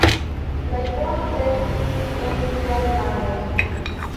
La Ikono tremis en liaj manoj.